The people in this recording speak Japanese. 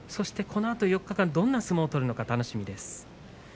このあと４日間どんな相撲を取るのか楽しみです。